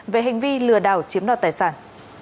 về hành vi lừa đảo chiếm đoạt tài sản